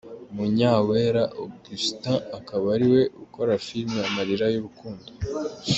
Munyawera Augustin, akaba ariwe ukora filime Amarira y'urukundo.